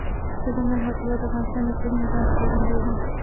دځنګل حاصلات د افغانستان د اقلیمي نظام ښکارندوی ده.